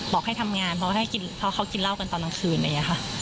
บอกให้ทำงานพอให้กินเพราะเขากินเล้วกันตอนตคืนเลย